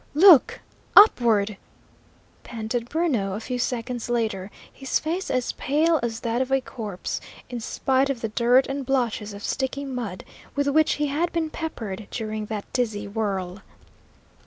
"Look upward!" panted Bruno, a few seconds later, his face as pale as that of a corpse, in spite of the dirt and blotches of sticky mud with which he had been peppered during that dizzy whirl.